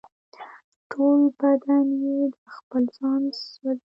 ټول بدن یې د خپل ځانه سوزي